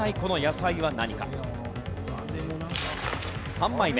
３枚目。